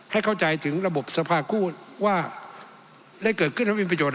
ให้เข้าใจถึงระบบสภาคู่ว่าได้เกิดขึ้นแล้วมีประโยชน